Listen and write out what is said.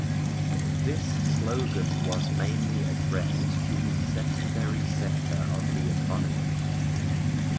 This slogan was mainly addressed to the secondary sector of the economy.